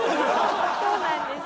そうなんですよ。